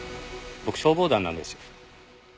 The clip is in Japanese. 僕消防団なんですよ。